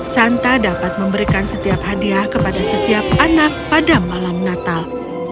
santa dapat memberikan setiap hadiah kepada setiap anak pada malam natal